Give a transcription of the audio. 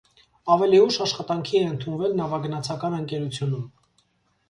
Ավելի ուշ աշխատանքի է ընդունվել նավագնացական ընկերությունում։